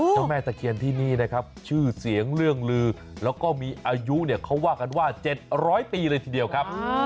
แม่ตะเคียนที่นี่นะครับชื่อเสียงเรื่องลือแล้วก็มีอายุเนี่ยเขาว่ากันว่า๗๐๐ปีเลยทีเดียวครับ